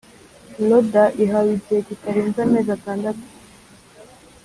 Loda ihawe igihe kitarenze amezi atandatu